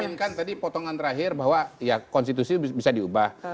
saya inginkan tadi potongan terakhir bahwa ya konstitusi bisa diubah